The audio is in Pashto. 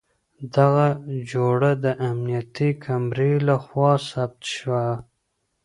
دغه جوړه د امنيتي کمرې له خوا ثبت شوه.